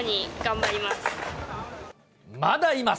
まだいます。